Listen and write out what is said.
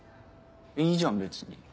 いいじゃん別に。